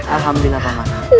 alhamdulillah pak mak